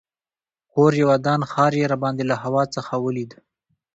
کور یې ودان ښار یې راباندې له هوا څخه ولیده.